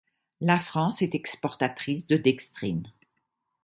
La France est exportatrice de dextrine.